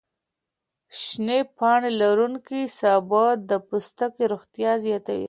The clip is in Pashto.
شنې پاڼې لروونکي سابه د پوستکي روغتیا زیاتوي.